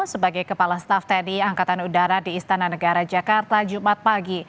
sebagai kepala staff tni angkatan udara di istana negara jakarta jumat pagi